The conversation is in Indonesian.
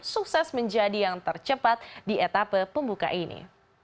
sukses menjadi yang tercepat di etapa pembuka ini